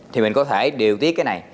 thì mình có thể điều tiết cái này